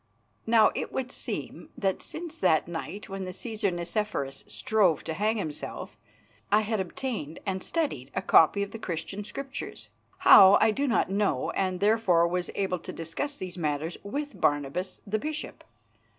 Now it would seem that since that night when the Cæsar Nicephorus strove to hang himself, I had obtained and studied a copy of the Christian Scriptures how I do not know and therefore was able to discuss these matters with Barnabas the bishop.